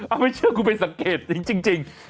เอาไม่เชื่อกูไปสังเกตจริง